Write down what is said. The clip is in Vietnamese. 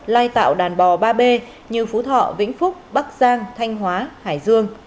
lai tạo đàn bò ba b như phú thọ vĩnh phúc bắc giang thanh hóa hải dương